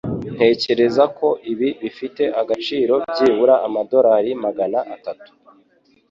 Ntekereza ko ibi bifite agaciro byibura amadorari magana atatu.